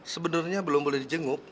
sebenarnya belum boleh dijenguk